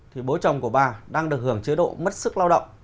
thì bố chồng của bà đang được hưởng chế độ mất sức lao động